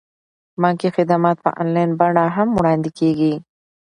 بانکي خدمات په انلاین بڼه هم وړاندې کیږي.